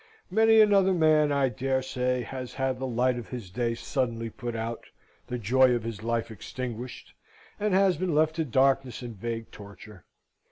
Many another man, I dare say, has had the light of his day suddenly put out, the joy of his life extinguished, and has been left to darkness and vague torture.